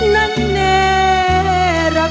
นั้นเนรับทราบ